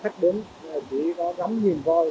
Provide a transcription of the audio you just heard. khách đến chỉ có ngắm nhìn voi